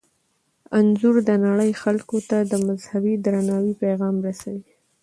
انځور د نړۍ خلکو ته د مذهبي درناوي پیغام رسوي.